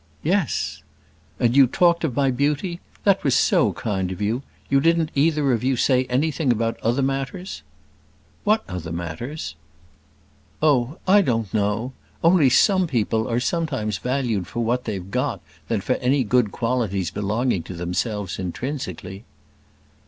"Yes." "And you talked of my beauty? That was so kind of you. You didn't either of you say anything about other matters?" "What other matters?" "Oh! I don't know. Only some people are sometimes valued rather for what they've got than for any good qualities belonging to themselves intrinsically."